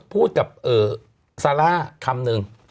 พูดกับซาร่าคำนึง